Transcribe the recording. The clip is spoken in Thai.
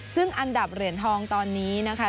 ซึ่งอันดับเหรียญทองตอนนี้นะคะ